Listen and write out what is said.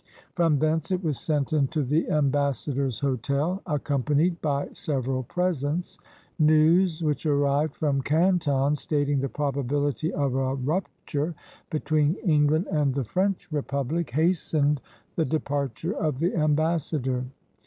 From thence it was sent into the ambassador's hotel, accompanied by several presents. News which arrived from Canton, stating the probabiHty of a rupture be tween England and the French Republic, hastened 191 CHINA the departure of the ambassador.